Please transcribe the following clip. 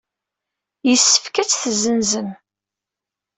Yessefk ad tt-tessenzem.